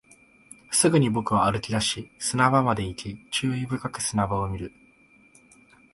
すぐに僕は歩き出し、砂場まで行き、注意深く砂場を見る